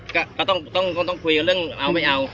ก็ต้องคุยกันเรื่องเอาไม่เอา